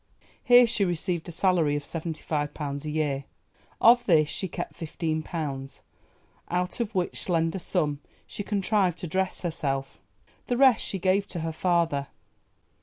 Here she received a salary of seventy five pounds a year; of this she kept fifteen pounds, out of which slender sum she contrived to dress herself; the rest she gave to her father.